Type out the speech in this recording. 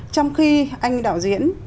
trong khi anh đạo diễn